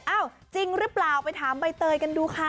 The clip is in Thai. จริงหรือเปล่าไปถามใบเตยกันดูค่ะ